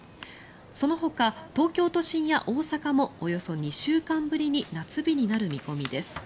そのほか、東京都心や大阪もおよそ２週間ぶりに夏日になる見込みです。